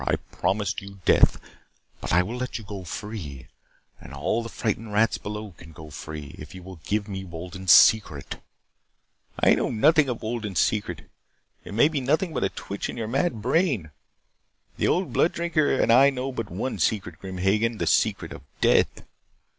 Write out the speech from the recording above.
I promised you death. But I will let you go free and all the frightened rats below can go free if you will give me Wolden's secret " "I know nothing of Wolden's secret. It may be nothing but a twitch in your mad brain. The old Blood Drinker and I know but one secret, Grim Hagen, the secret of death.